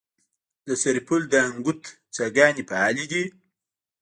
د سرپل د انګوت څاګانې فعالې دي؟